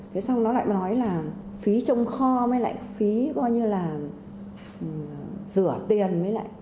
thế xong nó lại nói là phí trông kho mới lại phí gọi như là rửa tiền mới lại